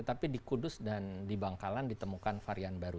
tapi di kudus dan di bangkalan ditemukan varian baru